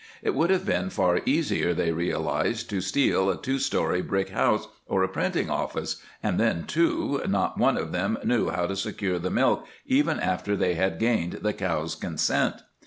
It would have been far easier, they realized, to steal a two story brick house or a printing office, and then, too, not one of them knew how to secure the milk even after they had gained the cow's consent.